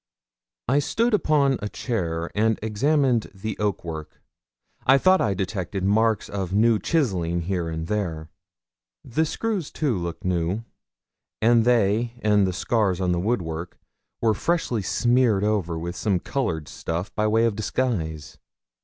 I stood upon a chair and examined the oak work. I thought I detected marks of new chiselling here and there. The screws, too, looked new; and they and the scars on the woodwork were freshly smeared over with some coloured stuff by way of disguise.